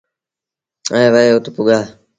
ائيٚݩ وهي اُت پُڳو۔